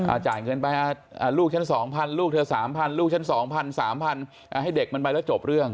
อาจารย์เกินไปลูกฉัน๒พันลูกเธอ๓พันลูกฉัน๒พัน๓พันให้เด็กมันไปแล้วจบเรื่อง